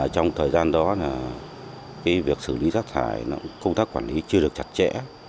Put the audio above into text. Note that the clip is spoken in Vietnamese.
trong thời gian đó việc xử lý rác thải công tác quản lý chưa được chặt chẽ